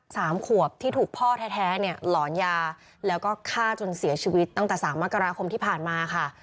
สามขวบที่ถูกพ่อแท้แท้เนี่ยหลอนยาแล้วก็ฆ่าจนเสียชีวิตตั้งแต่สามมกราคมที่ผ่านมาค่ะ